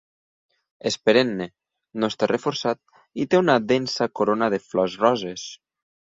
És perenne, no està reforçat i té una densa corona de flors roses.